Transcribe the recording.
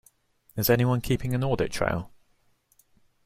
Is anybody keeping an audit trail?